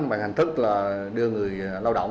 bằng hành thức là đưa người lao động